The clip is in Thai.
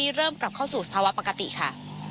เริ่มกลับเข้าสู่ภาวะปกติค่ะ